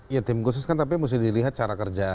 ya tim khusus kan tapi mesti dilihat cara kerja